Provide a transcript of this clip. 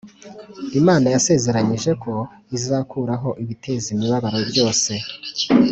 Imana yasezeranyije ko izakuraho ibiteza imibabaro byose